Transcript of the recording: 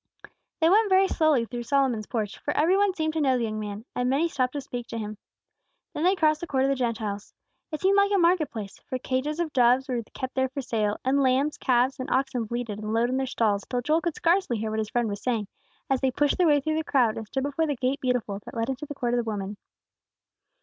They went very slowly through Solomon's Porch, for every one seemed to know the young man, and many stopped to speak to him. Then they crossed the Court of the Gentiles. It seemed like a market place; for cages of doves were kept there for sale, and lambs, calves, and oxen bleated and lowed in their stalls till Joel could scarcely hear what his friend was saying, as they pushed their way through the crowd, and stood before the Gate Beautiful that led into the Court of the Women.